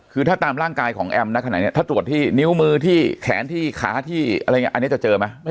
คือถ้าตามร่างกายของแอมน์ถ้าตรวจที่นิ้วมือที่แขนที่ขาที่อันนี้จะเจอไหม